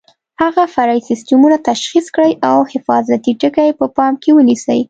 هغه فرعي سیسټمونه تشخیص کړئ او حفاظتي ټکي په پام کې ونیسئ.